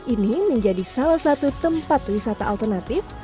ini menjadi salah satu tempat wisata alternatif